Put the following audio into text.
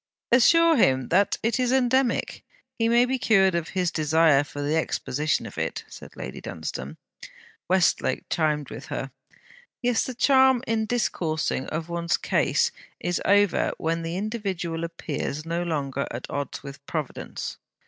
'Assure him, that is endemic. He may be cured of his desire for the exposition of it,' said Lady Dunstane. Westlake chimed with her: 'Yes, the charm in discoursing of one's case is over when the individual appears no longer at odds with Providence.'